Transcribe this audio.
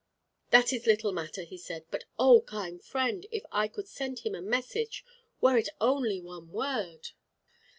"That is little matter," he said. "But oh, kind friend, if I could send him a message, were it only one word."